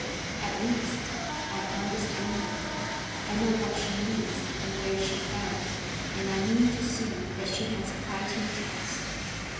At least, I understand her. I know what she needs and where she's bound, and I mean to see that she has a fighting chance."